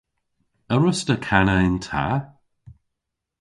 A wruss'ta kana yn ta?